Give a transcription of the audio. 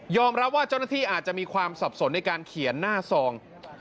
รับว่าเจ้าหน้าที่อาจจะมีความสับสนในการเขียนหน้าซอง